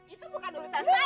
itu bukan urusan saya